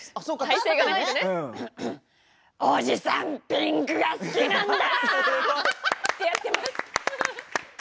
おじさんピンクが好きなんだ。